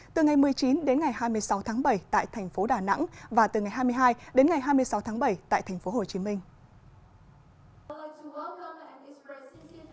từ ngày một mươi chín đến ngày hai mươi sáu tháng bảy tại thành phố đà nẵng và từ ngày hai mươi hai đến ngày hai mươi sáu tháng bảy tại thành phố hồ chí minh